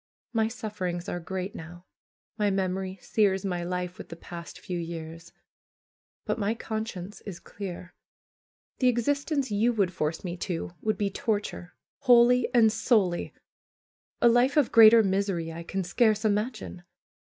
My sufferings are great now ; my memory sears my life with the past few years; but my conscience is clear. The existence you would force me to would be torture, wholly and soully. A life of greater misery I can scarce imagine.